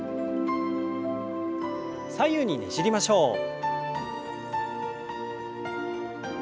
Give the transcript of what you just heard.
左右にねじりましょう。